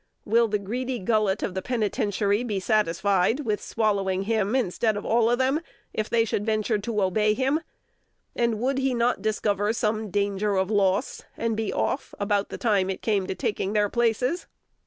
Will the greedy gullet of the penitentiary be satisfied with swallowing him instead of all them, if they should venture to obey him? And would he not discover some 'danger of loss,' and be off, about the time it came to taking their places?